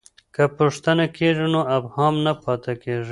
که پوښتنه کېږي نو ابهام نه پاته کېږي.